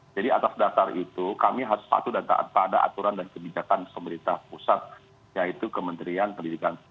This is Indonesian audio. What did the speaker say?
jadi atas dasar itu kami harus satu data pada aturan dan kebijakan pemerintah pusat yaitu kementerian pendidikan